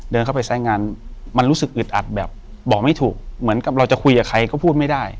เดินเข้าไปซ้ายงานมันรู้สึกอึดอัดแบบบอกไม่ถูกเหมือนกับเราจะคุยกับใครก็พูดไม่ได้